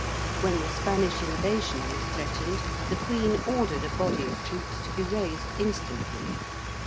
When the Spanish invasion was threatened, the Queen ordered a body of troops to be raised instantly.